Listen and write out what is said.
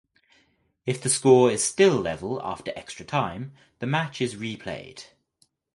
If the score is still level after extra time the match is replayed.